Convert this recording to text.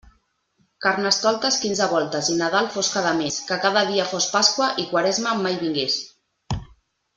Carnestoltes quinze voltes i Nadal fos cada mes, que cada dia fos Pasqua i Quaresma mai vingués.